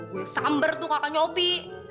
gue yang samber tuh kakaknya opi